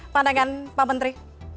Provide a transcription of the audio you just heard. pandangan pak menteri